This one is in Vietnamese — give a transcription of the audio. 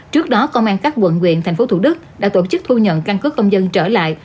trước đó công an các quận quyện tp thủ đức đã tổ chức thu nhận căn cứ công dân trở lại